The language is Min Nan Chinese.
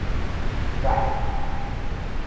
眼